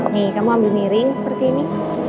nih kamu ambil miring seperti ini